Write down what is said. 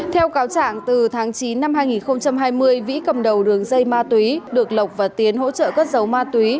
theo cáo trạng từ tháng chín năm hai nghìn hai mươi vĩ cầm đầu đường dây ma túy được lộc và tiến hỗ trợ cất giấu ma túy